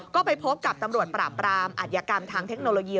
ก็ไปพบกับตำรวจปราบปรามอัธยกรรมทางเทคโนโลยี